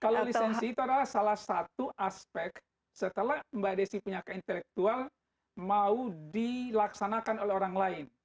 kalau lisensi itu adalah salah satu aspek setelah mbak desi punya keintelektual mau dilaksanakan oleh orang lain